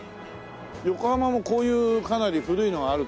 横浜もこういうかなり古いのがあるからね。